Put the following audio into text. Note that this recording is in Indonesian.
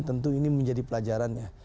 tentu ini menjadi pelajarannya